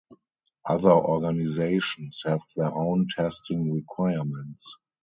Other organizations have their own testing requirements.